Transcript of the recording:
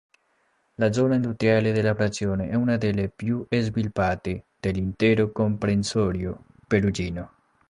La zona industriale della frazione è una delle più sviluppate dell'intero comprensorio perugino.